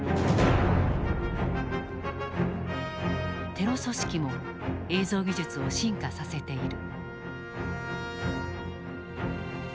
テロ組織も映像技術を進化させている。